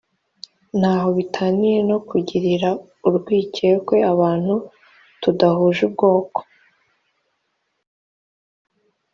nta ho bitaniye no kugirira urwikekwe abantu tudahuje ubwoko